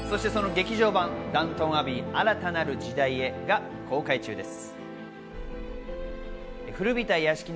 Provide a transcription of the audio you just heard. そしてその劇場版『ダウントン・アビー／新たなる時代へ』が公開中です。